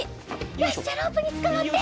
よしじゃあロープにつかまって。